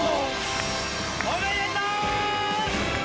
おめでとう！